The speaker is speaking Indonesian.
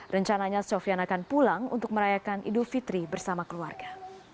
rencananya sofian akan pulang untuk merayakan idul fitri bersama keluarga